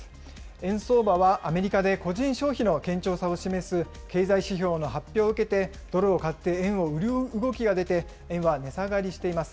円相場はアメリカで個人消費の堅調さを示す経済指標の発表を受けて、ドルを買って円を売る動きが出て、円は値下がりしています。